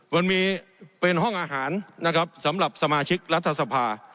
มันมีเป็นห้องอาหารนะครับสำหรับสมาชิกรัฐสภา